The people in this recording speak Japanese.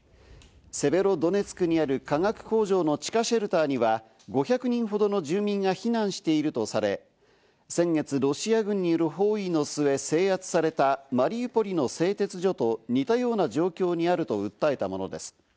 セベロドネツクにある化学工場の地下シェルターには５００人ほどの住民が避難しているとされ、先月、ロシア軍による包囲の末、制圧されたマリウポリの製鉄所と似たような状況にあると訴えたものです。